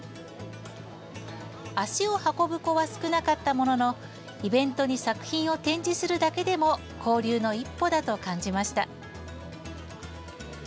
足を運ぶ子は少なかったもののイベントに作品を展示するだけでも交流の一歩だと感じました。